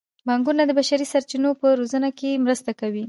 بانکونه د بشري سرچینو په روزنه کې مرسته کوي.